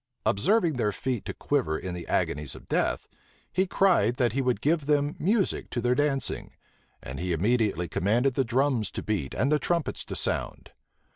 Observing their feet to quiver in the agonies of death, he cried that he would give them music to their dancing; and he immediately commanded the drums to beat and the trumpets to sound.